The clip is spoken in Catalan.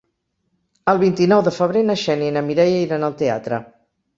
El vint-i-nou de febrer na Xènia i na Mireia iran al teatre.